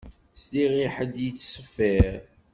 Sliɣ i ḥedd yettṣeffiṛ